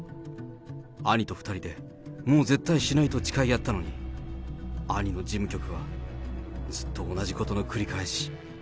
兄と２人で、もう絶対しないと誓い合ったのに、兄の事務局は、ずっと同じことの繰り返し。